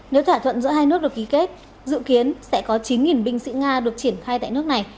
nếu thỏa thuận giữa hai nước được ký kết dự kiến sẽ có chín binh sĩ nga được triển khai tại nước này